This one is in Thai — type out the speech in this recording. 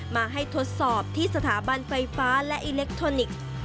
มาให้ทดสอบที่สถาบันไฟฟ้าและอิเล็กทรอนิกส์